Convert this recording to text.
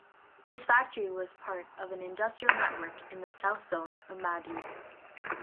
This factory was part of an industrial network in the south zone of Madrid.